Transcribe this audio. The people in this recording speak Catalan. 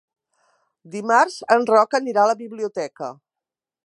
Dimarts en Roc anirà a la biblioteca.